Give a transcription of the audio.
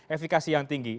efikasi yang tinggi